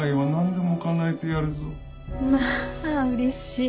まあうれしい。